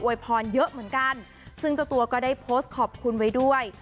พรเยอะเหมือนกันซึ่งเจ้าตัวก็ได้โพสต์ขอบคุณไว้ด้วย